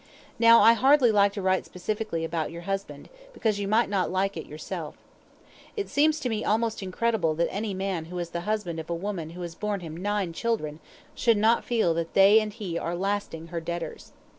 Now I hardly like to write specifically about your husband, because you might not like it yourself. It seems to me almost incredible that any man who is the husband of a woman who has borne him nine children should not feel that they and he are lastingly her debtors.